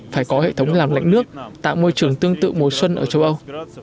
phải có hệ thống làm lạnh nước tạo môi trường tương tự mùa xuân ở châu âu